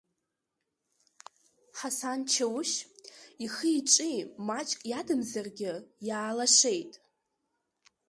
Ҳасан Чаушь ихи-иҿы маҷк иадамзаргьы иаалашеит.